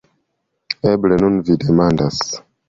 Eble nun vi demandas.